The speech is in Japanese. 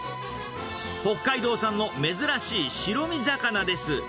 北海道産の珍しい白身魚です。